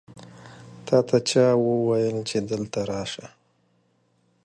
تا ته چا وویل چې دلته راسه؟